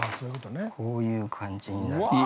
こういう感じになります。